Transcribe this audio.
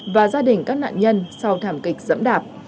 và gia đình các nạn nhân sau thảm kịch dẫm đạp